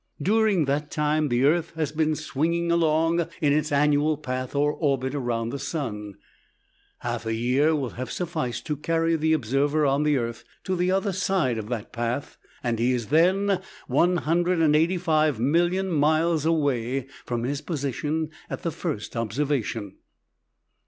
During that time the earth has been swinging along in its annual path or orbit around the sun. Half a year will have sufficed to carry the observer on the earth to the other side of that path, and he is then 185,000,000 miles away from his position at the first observation.